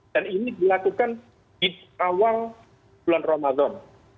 dan ini dilakukan di awal bulan ramadan